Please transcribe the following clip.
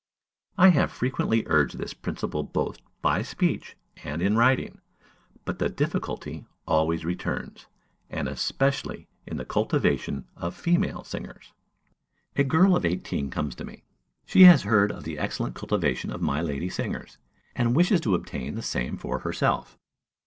I have frequently urged this principle both by speech and in writing; but the difficulty always returns, and especially in the cultivation of female singers. A girl of eighteen comes to me: she has heard of the excellent cultivation of my lady singers, and wishes to obtain the same for herself.